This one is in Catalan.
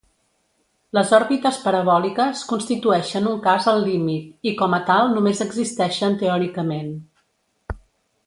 Les òrbites parabòliques constitueixen un cas al límit i com a tal només existeixen teòricament.